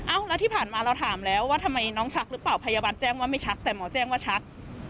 แล้วที่ผ่านมาเราถามแล้วว่าทำไมน้องชักหรือเปล่าพยาบาลแจ้งว่าไม่ชักแต่หมอแจ้งว่าชัก